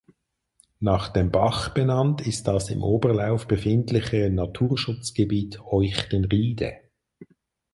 Nach dem Bach benannt ist das im Oberlauf befindliche Naturschutzgebiet Oichtenriede.